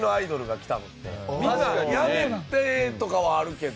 みんなやめてとかはあるけど。